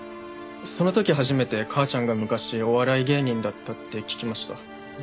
その時初めて母ちゃんが昔お笑い芸人だったって聞きました。